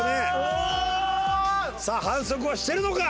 おお！さあ反則はしてるのか？